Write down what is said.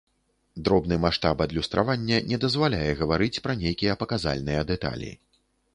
Дробны маштаб адлюстравання не дазваляе гаварыць пра нейкія паказальныя дэталі.